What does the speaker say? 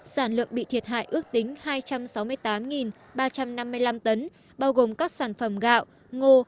sản lượng bị thiệt hại ước tính hai trăm sáu mươi tám ba trăm năm mươi năm tấn bao gồm các sản phẩm gạo ngô